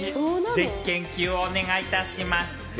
ぜひ研究をお願いします。